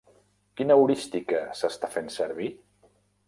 Quina heurística s'està fent servir?